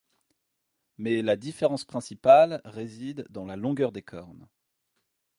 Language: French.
Mais la différence principale réside dans la longueur des cornes.